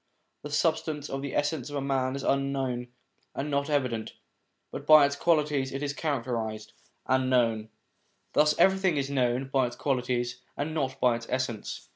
The substance of the essence of man is unknown and not evident, but by its qualities it is characterised and known. Thus everything is known by its qualities and not by its essence.